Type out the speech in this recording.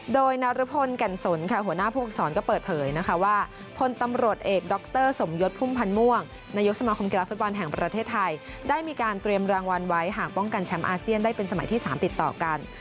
โดยนรพลแก่นสนค่ะหัวหน้าผู้ฝึกศรก็เปิดเผยนะคะว่าพลตำรวจเอกดรสมยศพุ่มพันธ์ม่วงนายกสมาคมกีฬาฟุตบอลแห่งประเทศไทยได้มีการเตรียมรางวัลไว้หากป้องกันแชมป์อาเซียนได้เป็นสมัยที่๓ติดต่อกัน